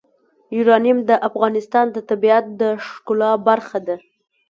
یورانیم د افغانستان د طبیعت د ښکلا برخه ده.